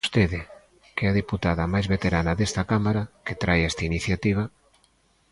Vostede, que é a deputada máis veterana desta Cámara, que traia esta iniciativa.